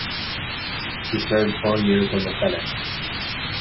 He served four years in the Senate.